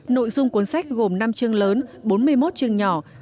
nội dung cuốn sách gồm năm chương lớn bốn mươi một chương nhỏ